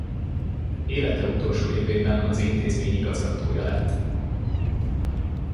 Élete utolsó évében az intézmény igazgatója lett.